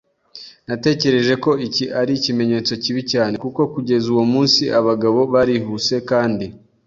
Natekereje ko iki ari ikimenyetso kibi cyane, kuko kugeza uwo munsi abagabo barihuse kandi